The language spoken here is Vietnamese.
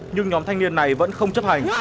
nhưng nhóm thanh niên này vẫn không chấp hành